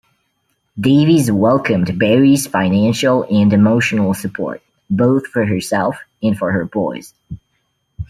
Davies welcomed Barrie's financial and emotional support, both for herself and for her boys.